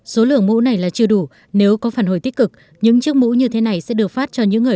số lượng mũ này là chưa đủ nếu có phản hồi tích cực những chiếc mũ như thế này sẽ được phát cho những người